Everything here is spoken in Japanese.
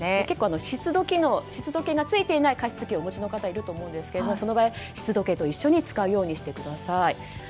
結構、湿度計がついていない加湿器をお持ちの方もいると思うんですがその場合、湿度計と一緒に使うようにしてください。